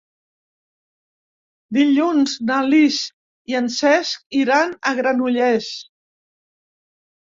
Dilluns na Lis i en Cesc iran a Granollers.